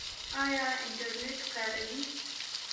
ایا انټرنیټ کاروئ؟